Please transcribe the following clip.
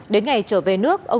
đến ngày trở về nước